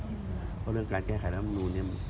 เพราะเรื่องการแก้ไขรัฐมนูลเนี่ย